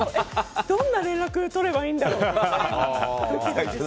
どんな連絡を取ればいいんだろう？